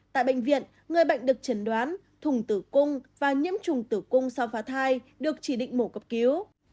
tại bệnh viện người bệnh được chẩn đoán thùng tử cung và nhiễm trùng tử cung sau phá thai được chỉ định mổ cấp cứu